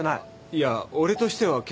いや俺としては結構。